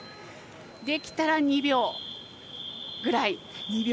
できたら、２秒ぐらい。